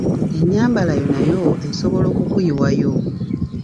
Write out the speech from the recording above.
Ennyambala yo nayo esobola okukuyiwayo.